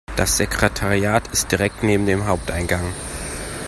Das Sekretariat ist direkt neben dem Haupteingang.